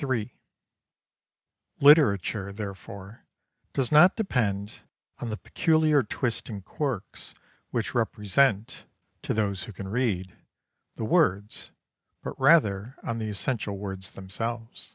III Literature, therefore, does not depend on the peculiar twists and quirks which represent, to those who can read, the words, but rather on the essential words themselves.